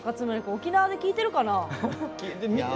沖縄で聞いてるかな？